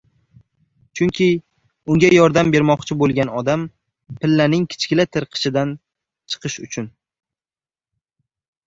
Chunki unga yordam bermoqchi boʻlgan odam pillaning kichkina tirqishidan chiqish uchun